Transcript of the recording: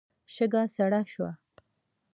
شګه سړه شوه.